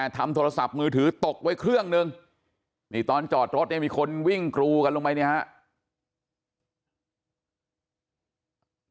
ทำโทรศัพท์มือถือตกไว้เครื่องนึงนี่ตอนจอดรถเนี่ยมีคนวิ่งกรูกันลงไปเนี่ยครับ